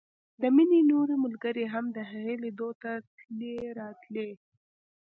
د مينې نورې ملګرې هم د هغې ليدلو ته تلې راتلې